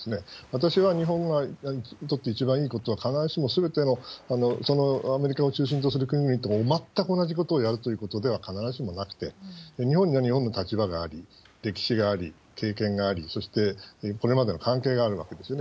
私は日本にとって一番いいことは必ずしも、すべてのアメリカを中心とする国々と全く同じことをやるということでは必ずしもなくて、日本には日本の立場があり、歴史があり、関係があり、そしてこれまでの関係があるわけですよね。